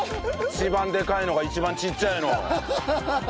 一番でっかいのが一番ちっちゃいのを。